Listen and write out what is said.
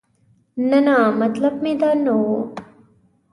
نه نه مطلب مې دا نه و.